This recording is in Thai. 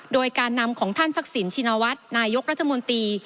โดยการนำของท่านทักษิณชินวัฒน์นายกรัฐมนตรี